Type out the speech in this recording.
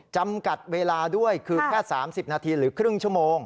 จำกัดเวลาด้วยคือแค่๓๐นาทีหรือครึ่งชั่วโมง